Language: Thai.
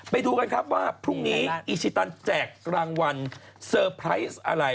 ไปดูกันครับว่าพรุ่งนี้อีชิตันแจกรางวัลเซอร์ไพรส์อะไร